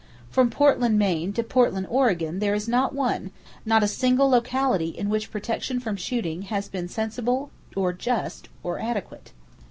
From Portland, Maine, to Portland, Oregon there is not one,—not a single locality in which protection from shooting has been sensible, or just, or adequate.